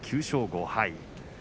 ９勝５敗。